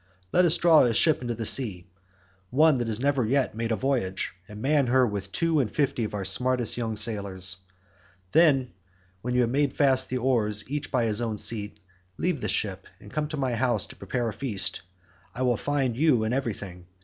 Let us draw a ship into the sea—one that has never yet made a voyage—and man her with two and fifty of our smartest young sailors. Then when you have made fast your oars each by his own seat, leave the ship and come to my house to prepare a feast.65 I will find you in everything.